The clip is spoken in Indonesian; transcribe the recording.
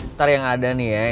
ntar yang ada nih ya